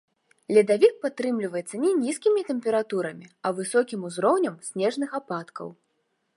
Ледавік падтрымліваецца не нізкімі тэмпературамі, а высокім узроўнем снежных ападкаў.